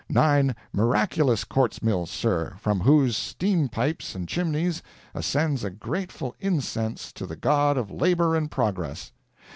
—nine miraculous quartz mills, sir, from whose steam pipes and chimneys ascends a grateful incense to the god of Labor and Progress!